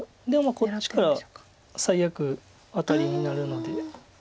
でもこっちから最悪アタリになるので。